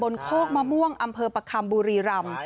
โคกมะม่วงอำเภอประคัมบุรีรำ